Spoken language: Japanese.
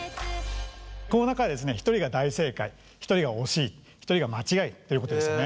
この中でですね一人が大正解一人が惜しい一人が間違いということでしたね。